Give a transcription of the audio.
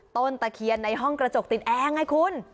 ตะเคียนในห้องกระจกติดแอร์ไงคุณ